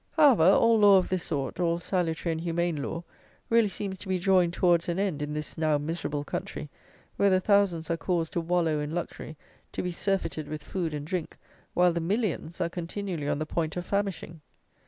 However, all law of this sort, all salutary and humane law, really seems to be drawing towards an end in this now miserable country, where the thousands are caused to wallow in luxury, to be surfeited with food and drink, while the millions are continually on the point of famishing.